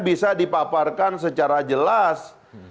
bisa dipaparkan secara jelas